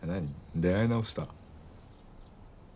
出会い直した？